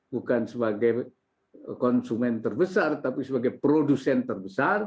bukan sebagai konsumen terbesar tapi sebagai produsen terbesar